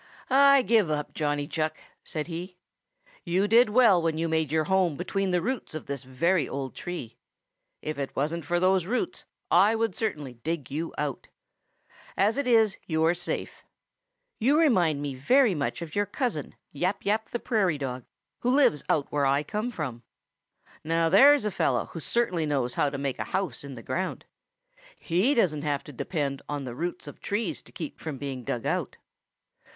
"I give up, Johnny Chuck," said he. "You did well when you made your home between the roots of this old tree. If it wasn't for those roots, I certainly would dig you out. As it is you are safe. You remind me very much of your cousin, Yap Yap the Prairie Dog, who lives out where I came from. There's a fellow who certainly knows how to make a house in the ground. He doesn't have to depend on the roots of trees to keep from being dug out.